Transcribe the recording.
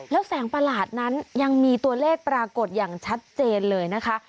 แล้วแสงประหลาดนั้นยังมีตัวเลขปรากฏอย่างชัดเจนเลยนะคะ